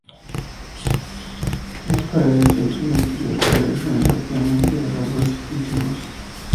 Las paredes y el suelo interior carecen relativamente de rasgos distintivos.